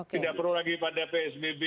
tidak perlu lagi pada psbb